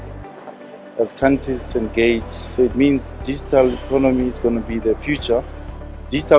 sebagai negara yang terhubung jadi itu berarti ekonomi digital akan menjadi masa depan